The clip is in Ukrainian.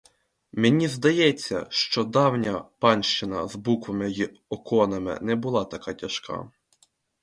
Мені здається, що давня панщина з буками й окономами не була така тяжка.